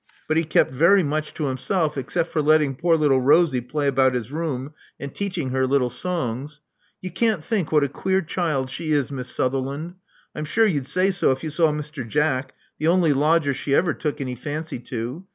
But he kept very much to himself except for letting poor little Rosie play about his room, and teaching her little songs. You can't think what a queer child she is, Miss Sutherland. I'm sure you'd say so if you saw Mr. Jack, the only lodger she took any fancy to.